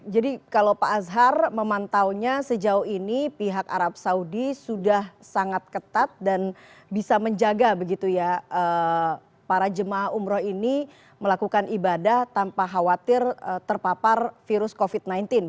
jadi kalau pak azhar memantaunya sejauh ini pihak arab saudi sudah sangat ketat dan bisa menjaga para jemaah umroh ini melakukan ibadah tanpa khawatir terpapar virus covid sembilan belas